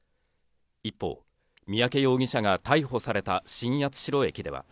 一方、三宅容疑者が逮捕された新八代駅では。